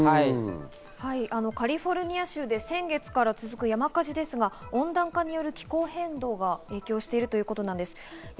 カリフォルニア州で先月から続く山火事ですが温暖化による気候変動が影響しているということなんです。